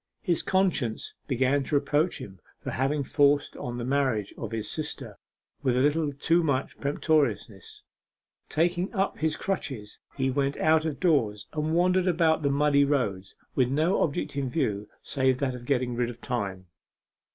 His conscience began to reproach him for having forced on the marriage of his sister with a little too much peremptoriness. Taking up his crutches he went out of doors and wandered about the muddy roads with no object in view save that of getting rid of time.